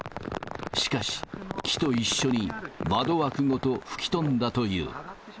しかし、木と一緒に窓枠ごと吹き飛んだという。